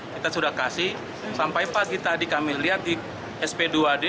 kita sudah kasih sampai pagi tadi kami lihat di sp dua d